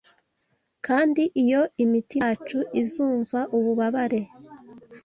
Kandi iyo imitima yacu izumva ububabare